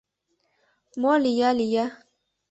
Мо лия-лия...